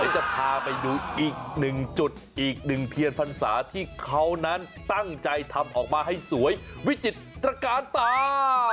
จะพาไปดูอีกหนึ่งจุดอีกหนึ่งเทียนพรรษาที่เขานั้นตั้งใจทำออกมาให้สวยวิจิตรการตา